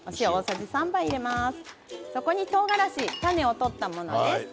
そして、とうがらしは種を取ったものです。